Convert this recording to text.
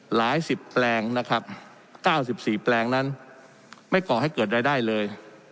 หลายสิบแปลงนะครับ๙๔แปลงนั้นไม่ก่อให้เกิดรายได้เลย